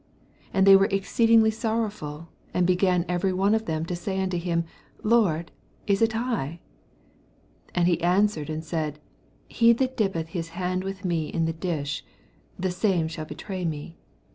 22 And they were exoeediz^ sor* rowf\il, and began every one ot them to say unto him, Lord, is it I ? 23 And he answered and said. He that dippeth hi* hand with me in the dish, the same shall betray me.